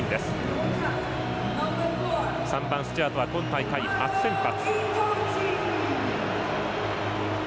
３番、スチュアートは今大会、初先発。